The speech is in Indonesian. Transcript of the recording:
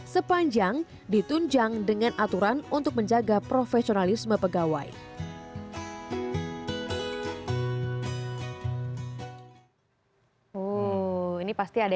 sepanjang ditunjang dengan aturan untuk menjaga profesionalisme pegawai